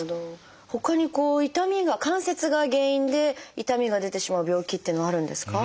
ほかに痛みが関節が原因で痛みが出てしまう病気っていうのはあるんですか？